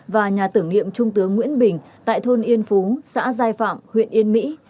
và nhà tưởng niệm trung tướng nguyễn bình tại thôn yên phú xã giai phạm huyện yên mỹ